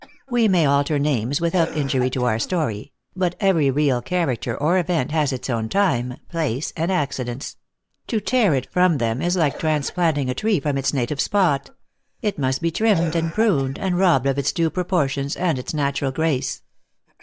We may alter names without injury to our story; but every real character, or event, has its own time, place, and acci dents; to tear it from them is like transplanting a tree from its native spot; it must be trimmed and pruned, and robbed of its due proportions and its natural grace. 1 M33483 10 > t*:V! JTHE: ACTRESS IN HIGH LIFE.